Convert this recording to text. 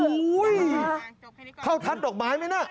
อู๊ยเข้าทัศน์ดอกไม้ไหมนะ